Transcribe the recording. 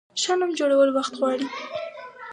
ښه نوم جوړول وخت غواړي.